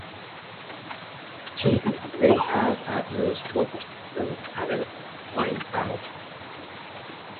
Each team may have, at most, one receiver at a line-out.